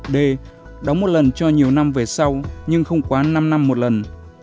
d đóng một lần cho nhiều năm về sau nhưng không quá năm năm một lần